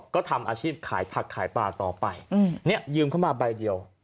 ก็ทำอาชีพขายผักขายปลาต่อไปเนี่ยยืมเข้ามาใบเดียว